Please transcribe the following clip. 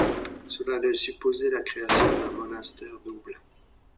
Cela laisse supposer la création d'un monastère double.